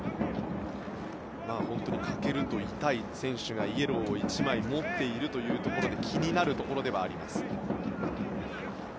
本当に欠けると痛い選手がイエローを１枚持っているというところで気になるところではあります。